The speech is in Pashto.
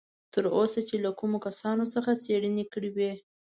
تر اوسه چې یې له کومو کسانو څخه څېړنې کړې وې.